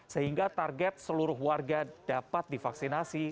sehingga target seluruh warga dapat divaksinasi